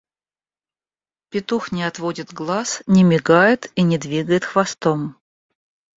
Петух не отводит глаз, не мигает и не двигает хвостом.